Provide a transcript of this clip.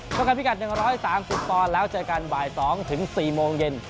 ก็คันพิกัด๑๓๐ตอนแล้วเจอกันบ่าย๒๔โมงเย็น